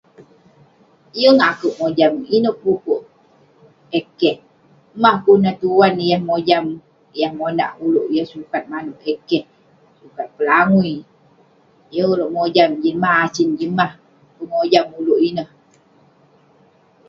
Yeng akouk mojam inouk pu'kuk eh keh..mah kunah tuan yah mojam, yah monak ulouk, yah..sukat manouk eh keh..sukat pelangui..yeng ulouk mojam jin mah asen, jin mah pengojam ulouk ineh..